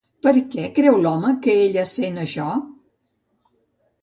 Per què creu l'home que ella sent això?